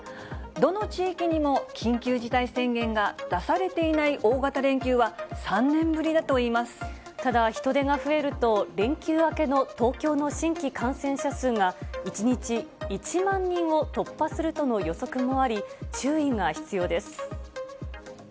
どの地域にも緊急事態宣言が出されていない大型連休は３年ぶりだただ、人出が増えると、連休明けの東京の新規感染者数が、１日１万人を突破するとの予測もあり、注意が必要です。